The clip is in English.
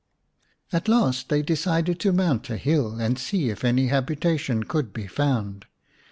At last they decided to mount a hill and see if any habitation could be found.